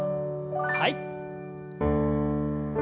はい。